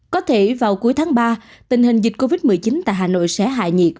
có thể vào cuối tháng ba tình hình dịch covid một mươi chín tại hà nội sẽ hạ nhiệt